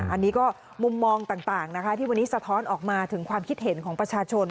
อันนี้ก็มุมมองต่างนะคะที่วันนี้สะท้อนออกมาถึงความคิดเห็นของประชาชน